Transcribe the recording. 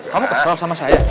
kamu kesel sama saya